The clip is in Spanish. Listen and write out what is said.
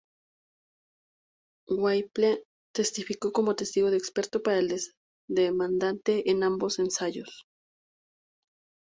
Whipple testificó como testigo experto para el demandante en ambos ensayos.